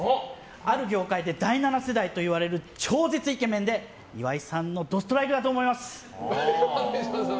ある業界で第７世代と呼ばれる超絶イケメンで岩井さんのどストライクだと思います！